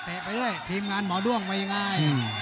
เตะไปเลยทีมงานหมอด้วงมายังไง